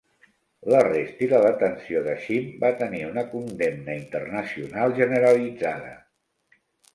L'arrest i la detenció de Cheam va tenir una condemna internacional generalitzada.